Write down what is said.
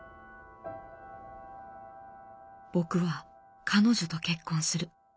「僕は彼女と結婚する。